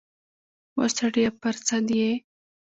وا سړیه پر سد یې ؟